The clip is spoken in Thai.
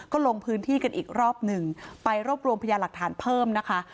ก็ลงพื้นที่กันอีกรอบหนึ่งไปรวบรวมพยาหลักฐานเพิ่มนะคะ